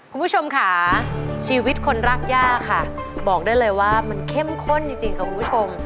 คุณผู้ชมค่ะชีวิตคนรักย่าค่ะบอกได้เลยว่ามันเข้มข้นจริงค่ะคุณผู้ชม